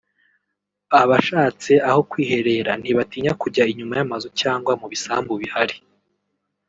Abashatse aho kwiherera ntibatinya kujya inyuma y’amazu cyangwa mu bisambu bihari